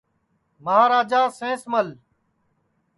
مہاراجا سینس مل